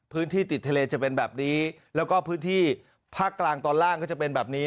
ติดทะเลจะเป็นแบบนี้แล้วก็พื้นที่ภาคกลางตอนล่างก็จะเป็นแบบนี้